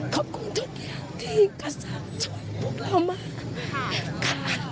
ขอบคุณทุกอย่างที่กระสังช่วยพวกเรามากค่ะ